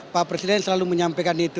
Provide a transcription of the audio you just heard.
pak presiden selalu menyampaikan itu